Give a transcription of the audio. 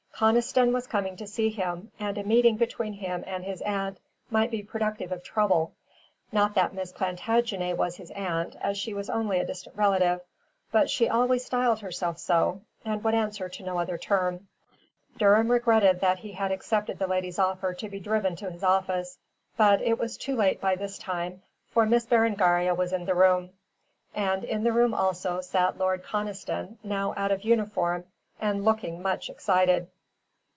Conniston was coming to see him, and a meeting between him and his aunt might be productive of trouble. Not that Miss Plantagenet was his aunt, as she was only a distant relative. But she always styled herself so, and would answer to no other term. Durham regretted that he had accepted the lady's offer to be driven to his office. But it was too late by this time, for Miss Berengaria was in the room. And in the room also sat Lord Conniston, now out of uniform, and looking much excited.